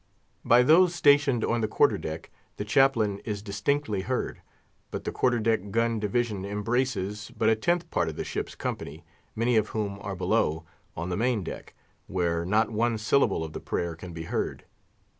By those stationed on the quarter deck the Chaplain is distinctly heard; but the quarter deck gun division embraces but a tenth part of the ship's company, many of whom are below, on the main deck, where not one syllable of the prayer can be heard.